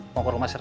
mau ke rumah seram